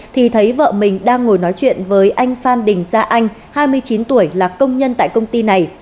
thì thấy vợ mình đang ngồi nói chuyện với anh phan đình gia anh hai mươi chín tuổi là công nhân tại công ty này